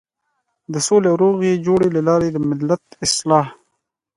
د سولې او روغې جوړې له لارې د ملت اصلاح.